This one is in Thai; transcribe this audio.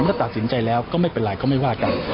ถ้าตัดสินใจแล้วก็ไม่เป็นไรก็ไม่ว่ากัน